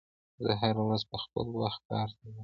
زه هره ورځ په خپل وخت کار ته ځم.